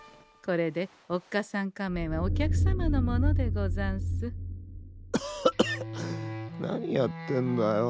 これでおっかさん仮面はお客様のものでござんす。